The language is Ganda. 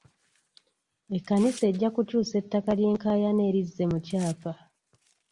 Ekkanisa ejja kukyusa ettaka ly'enkaayana erizze mu ly'ekyapa.